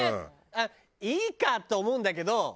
あっいいかって思うんだけど。